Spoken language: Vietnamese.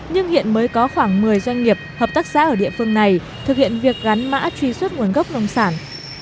nhưng hiện mới có khoảng một mươi doanh nghiệp hợp tác xã ở địa phương này thực hiện việc gắn mã truy xuất nguồn gốc nông sản